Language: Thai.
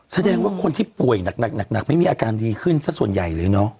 แสดงว่าคนที่ป่วยหนักไม่มีอาการดีขึ้นสักส่วนใหญ่เลยเนอะ